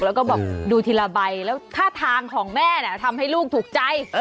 แล้วก็บอกดูทีละใบแล้วท่าทางของแม่ทำให้ลูกถูกใจ